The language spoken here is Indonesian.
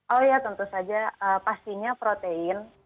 oh ya tentu saja pastinya protein